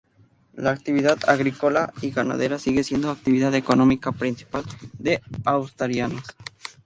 La actividad agrícola y ganadera sigue siendo la actividad económica principal de Asturianos.